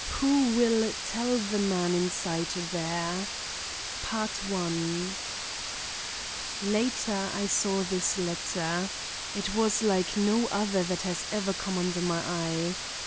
WHO WILL TELL THE MAN INSIDE THERE Later I saw this letter. It was like no other that has ever come under my eye.